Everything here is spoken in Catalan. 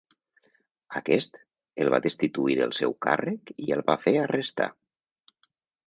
Aquest el va destituir del seu càrrec i el va fer arrestar.